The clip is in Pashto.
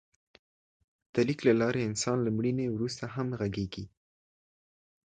د لیک له لارې انسان له مړینې وروسته هم غږېږي.